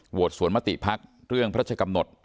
โหวดสวนมติภักดิ์เรื่องพัฒนากำหนด